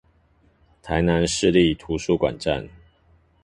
台南市立圖書館站